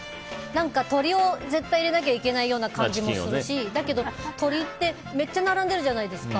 鶏を絶対入れないといけないような感じもするしだけど鶏ってめっちゃ並んでるじゃないですか。